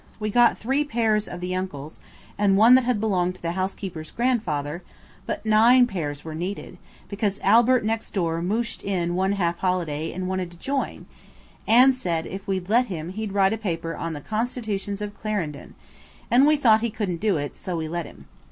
We got three pairs of the uncle's, and one that had belonged to the housekeeper's grandfather, but nine pairs were needed, because Albert next door mouched in one half holiday and wanted to join, and said if we'd let him he'd write a paper on the Constitutions of Clarendon, and we thought he couldn't do it, so we let him.